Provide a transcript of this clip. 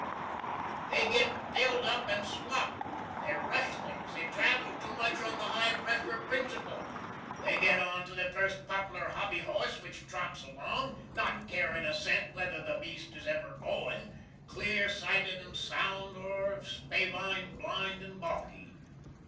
W.] They git filled up and slop. They Rush Things. They travel too much on the high presher principle. They git on to the fust poplar hobbyhoss whitch trots along, not carin a sent whether the beest is even goin, clear sited and sound or spavined, blind and bawky.